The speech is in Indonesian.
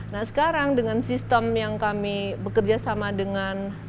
nah sekarang dengan sistem yang kami bekerja sama dengan